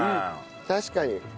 確かに。